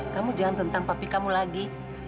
kamu jangan tentang papi kamu lagi